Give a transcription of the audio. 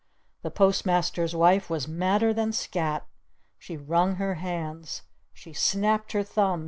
The Post Master's wife was madder than Scat! She wrung her hands. She snapped her thumbs!